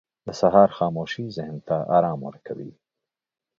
• د سهار خاموشي ذهن ته آرام ورکوي.